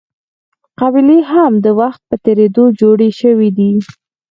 قبیلې هم د وخت په تېرېدو جوړې شوې.